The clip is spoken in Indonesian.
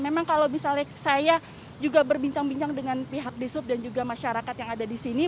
memang kalau misalnya saya juga berbincang bincang dengan pihak di sub dan juga masyarakat yang ada di sini